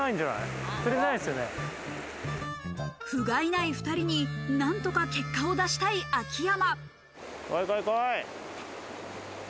ふがいない２人に何とか結果を出したい秋山。